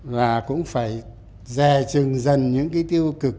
và cũng phải dè trừng dần những cái tiêu cực